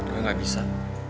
udah gak bisa